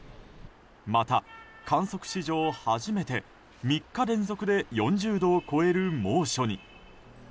また、観測史上初めて３日連続で４０度を超える猛暑に。